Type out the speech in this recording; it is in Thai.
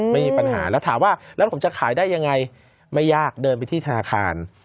ไม่มีปัญหาแล้วถามว่าแล้วผมจะขายได้ยังไงไม่ยากเดินไปที่ธนาคาร